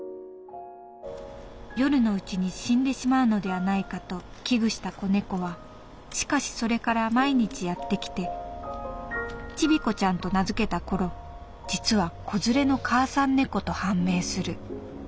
「夜のうちに死んでしまうのではないかと危惧した子猫はしかしそれから毎日やってきてチビコちゃんと名付けた頃実は子連れの母さん猫と判明する」。